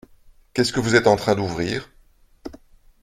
Qu’est-ce que vous êtes en train d’ouvrir ?